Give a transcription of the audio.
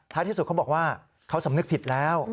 ที่สุดเขาบอกว่าเขาสำนึกผิดแล้ว